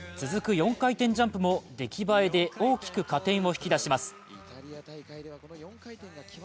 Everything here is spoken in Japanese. ４回転ジャンプも出来栄えで大きく加点を引き出します。